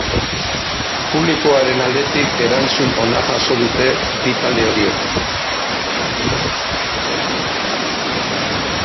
Publikoaren aldetik erantzun ona jaso dute bi talde horiek.